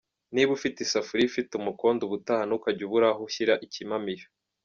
Niba ufite isafuriya ifite umukondo ubutaha ntukajye ubura aho ushyira ikimamiyo.